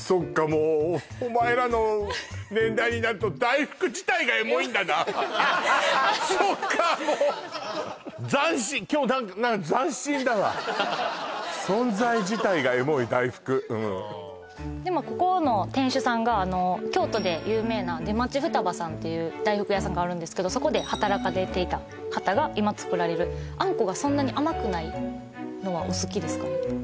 もうお前らの年代になると大福自体がエモいんだなそっかもう斬新ここの店主さんが京都で有名な出町ふたばさんっていう大福屋さんがあるんですけどそこで働かれていた方が今作られるあんこがそんなに甘くないのはお好きですか？